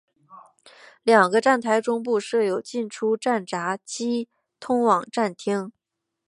两个站台中部设有进出站闸机通往站厅。